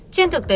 trên thực tế